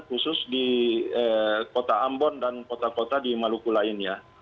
khusus di kota ambon dan kota kota di maluku lainnya